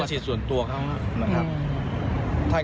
เป็นศิษย์ส่วนตัวของเค้าถ้าก็ต้องปกป้องตัวเอง